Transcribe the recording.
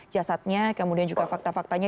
jasadnya kemudian juga fakta faktanya